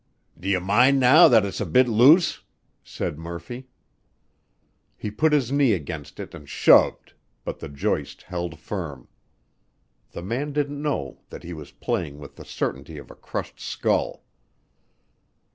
"D' ye mind now that it's a bit loose?" said Murphy. He put his knee against it and shoved, but the joist held firm. The man didn't know that he was playing with the certainty of a crushed skull.